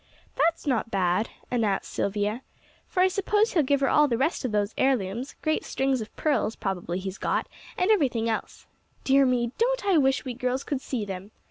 "That's not bad," announced Silvia, "for I suppose he'll give her all the rest of those heirlooms; great strings of pearls probably he's got, and everything else. Dear me, don't I wish we girls could see them!"